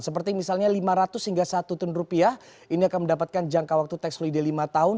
seperti misalnya lima ratus hingga satu triliun rupiah ini akan mendapatkan jangka waktu tax holiday lima tahun